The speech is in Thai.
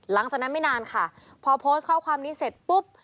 หลังจากนั้นไม่นานค่ะพอโพสต์ข้อความนี้เสร็จปุ๊บ